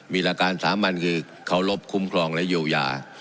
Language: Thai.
มีหลักการสามัญคือเคารพคุ้มครองและเยียวยา